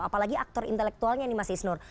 apalagi aktor intelektualnya nih mas isnur